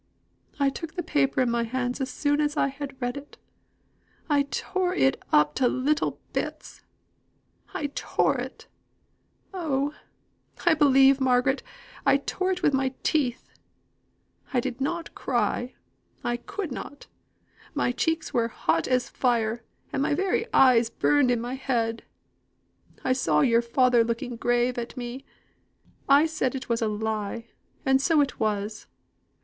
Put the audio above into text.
I took the paper in my hands as soon as I had read it I tore it up to little bits I tore it oh! I believe, Margaret, I tore it with my teeth. I did not cry. I could not. My cheeks were as hot as fire, and my very eyes burnt in my head. I saw your father looking grave at me. I said it was a lie, and so it was.